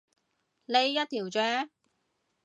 呢一條啫